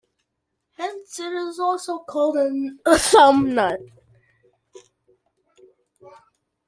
Hence it is also called a thumb nut.